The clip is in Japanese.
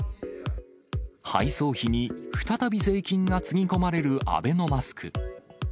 配送費に再び税金がつぎ込まれるアベノマスク。